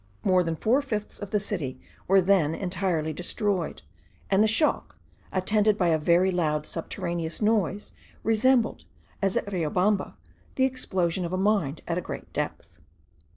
More than four fifths of the city were then entirely destroyed; and the shock, attended by a very loud subterraneous noise, resembled, as at Riobamba, the explosion of a mine at a great depth.